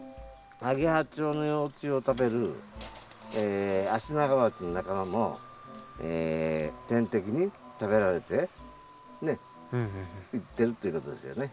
アゲハチョウの幼虫を食べるアシナガバチの仲間も天敵に食べられてねっいってるっていうことですよね。